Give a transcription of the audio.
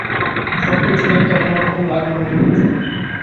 সব কিছু দেখতে অন্য রকম লাগল নীলুর চোখে।